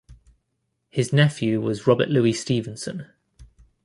His nephew was Robert Louis Stevenson.